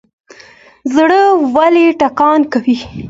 زړه ولې ټکان کوي؟